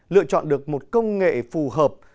lựa chọn được một công nghệ phù hợp